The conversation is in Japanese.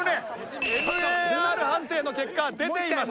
ＭＡＲ判定の結果出ています。